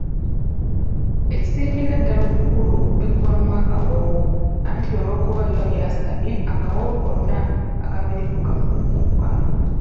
Ekisingira ddala obukulu biggwaamu akawoowo anti olw'okuba biba byasamye akawoowo konna akabirimu kafumuuka.